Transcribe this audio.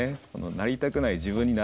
「なりたくない自分にならない」。